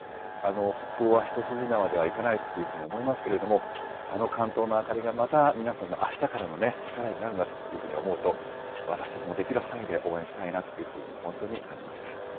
復興は一筋縄ではいかないというふうに思いますけれども、あの竿燈の明かりがまた、皆さんのあしたからの力になるんだというふうに思うと、私たちもできる範囲で応援したいなというふうに、本当に感じました。